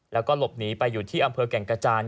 แล้วก็หลบหนีไปอยู่ที่อำเภอแก่งกระจาน